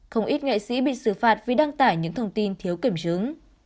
không ít nghệ sĩ bị xử phạt vì đăng tải những thông tin thiếu kiểm chứng